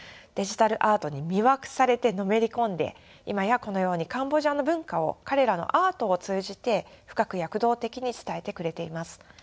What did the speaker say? デジタルアートに魅惑されてのめり込んで今やこのようにカンボジアの文化を彼らのアートを通じて深く躍動的に伝えてくれています。